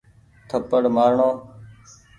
ٿپڙ مآر ڻو۔